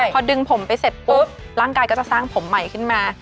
พอดึงผมไปเสร็จปุ๊บร่างกายก็จะสร้างผมใหม่ขึ้นมา